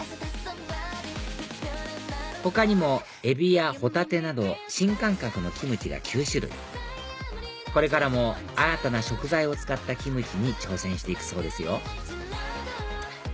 他にもエビやホタテなど新感覚のキムチが９種類これからも新たな食材を使ったキムチに挑戦して行くそうですよ